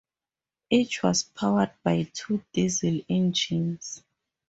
Each was powered by two diesel engines.